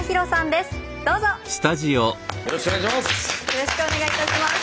よろしくお願いします！